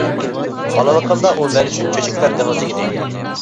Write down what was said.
بالىلىقىمدا ئۇ مەن ئۈچۈن چۆچەكلەر دېڭىزى ئىدى.